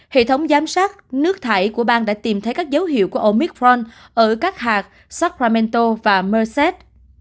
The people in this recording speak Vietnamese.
hệ thống giám sát nước thải của bang đã tìm thấy các dấu hiệu của omicron ở các hạt sukramento và merset